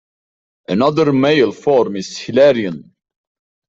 Another male form is Hilarion.